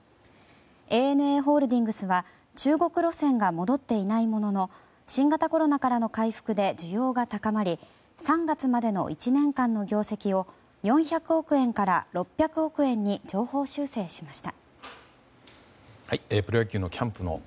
ＡＮＡホールディングスは中国路線が戻っていないものの新型コロナからの回復で需要が高まり３月までの１年間の業績を４００億円から６００億円に上方修正しました。